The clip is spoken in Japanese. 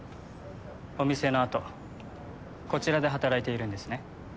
お店のあとこちらで働いているんですね。